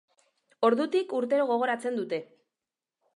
Ordutik, urtero gogoratzen dute.